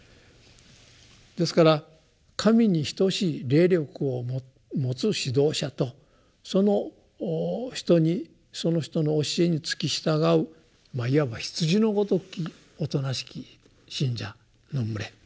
ですから神に等しい霊力を持つ指導者とその人にその人の教えにつき従うまあいわば羊のごときおとなしき信者の群れ。